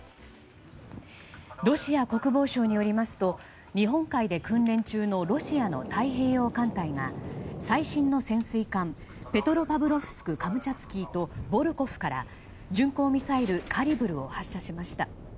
ロシア国防省によりますと日本海で訓練中のロシアの太平洋艦隊が最新の潜水艦「ペトロパブロフスク・カムチャツキー」と「ボルコフ」から巡航ミサイル、カリブルを発射しました。